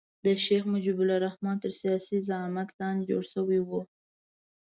د شیخ مجیب الرحمن تر سیاسي زعامت لاندې جوړ شوی وو.